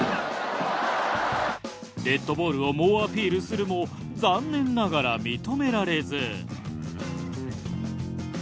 デッドボールを猛アピールするも残念ながら認められず。